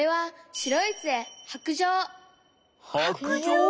白杖？